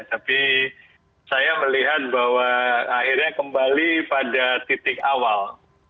tapi saya melihat bahwa akhirnya kembali pada titik awal